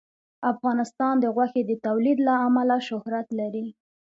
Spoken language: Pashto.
افغانستان د غوښې د تولید له امله شهرت لري.